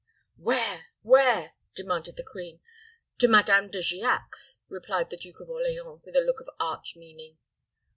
"Where where?" demanded the queen. "To Madame De Giac's," replied the Duke of Orleans, with a look of arch meaning.